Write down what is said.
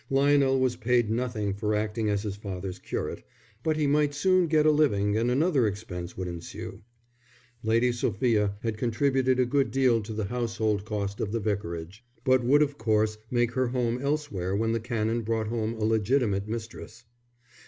Lionel was paid nothing for acting as his father's curate, but he might soon get a living and another expense would ensue. Lady Sophia had contributed a good deal to the household cost of the vicarage, but would of course make her home elsewhere when the Canon brought home a legitimate mistress.